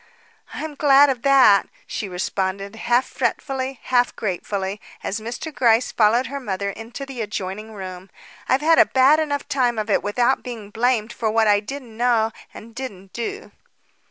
"I'm glad of that," she responded, half fretfully, half gratefully, as Mr. Gryce followed her mother into the adjoining room. "I've had a bad enough time of it without being blamed for what I didn't know and didn't do."